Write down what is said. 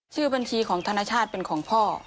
ชื่อบัญชีของธนชาติเป็นของพ่อ